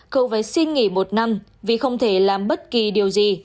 cô phải xin nghỉ một năm vì không thể làm bất kỳ điều gì